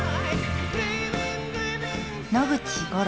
野口五郎。